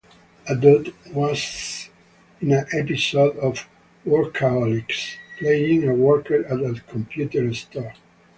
Ahdoot was in an episode of "Workaholics" playing a worker at a computer store.